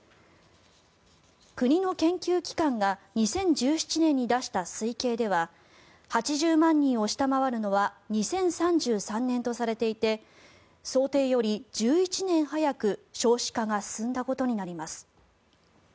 国の研究機関が２０１７年に出した推計では８０万人を下回るのは２０３３年とされていて想定より１１年早く少子化が進んだことになります。